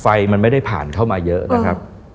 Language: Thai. ไฟมันไม่ได้ผ่านเข้ามาเยอะนะครับ